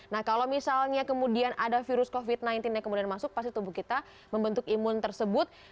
nah kalau misalnya kemudian ada virus covid sembilan belas yang kemudian masuk pasti tubuh kita membentuk imun tersebut